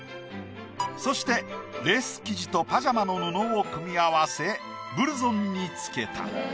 そしてレース生地とパジャマの布を組み合わせブルゾンに付けた。